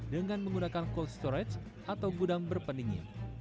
dengan menggunakan cold storage atau gudang berpening